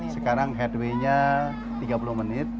sekarang headwaynya tiga puluh menit